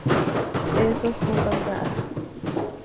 He sójocam caha.